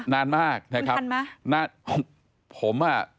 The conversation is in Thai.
นานมากนะครับมันทันมั้ยผมอ่ะ